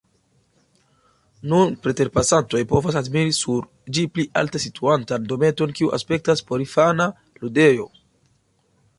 Nun preterpasantoj povas admiri sur ĝi pli alte situantan dometon, kiu aspektas porinfana ludejo.